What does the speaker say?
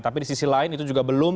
tapi di sisi lain itu juga belum